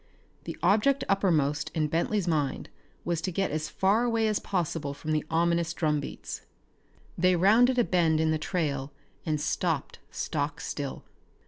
The object uppermost in Bentley's mind was to get as far away as possible from the ominous drumbeats. They rounded a bend in the trail and stopped stock still.